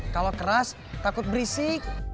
kalau keras takut berisik